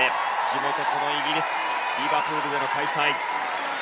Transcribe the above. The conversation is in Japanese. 地元イギリス・リバプールでの開催。